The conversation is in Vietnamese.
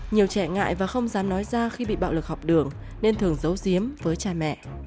nhiều trẻ ngại và không dám nói ra khi bị bạo lực học đường nên thường giấu giếm với cha mẹ